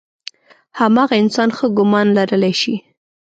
هماغه انسان ښه ګمان لرلی شي.